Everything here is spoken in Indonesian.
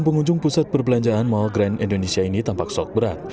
pengunjung pusat perbelanjaan mall grand indonesia ini tampak sok berat